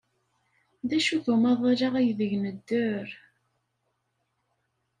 D acu-t umaḍal-a aydeg nedder?